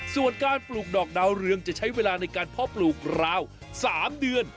ส่วนการปลูกดอกดาวเรืองจะใช้เวลาในการเพาะปลูกราว๓เดือน